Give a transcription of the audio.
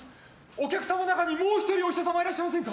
お客様の中にもう１人お医者様いらっしゃいませんか？